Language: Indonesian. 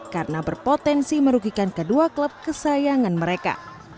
karena berpotensi merugikan kedua klub kesayangan mereka